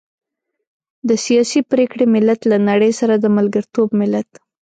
د سياسي پرېکړې ملت، له نړۍ سره د ملګرتوب ملت.